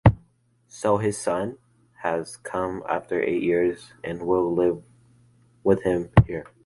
So, his son has come after eight years and will live with him here.